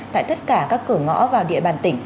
tại tất cả các cửa ngõ vào địa bàn tỉnh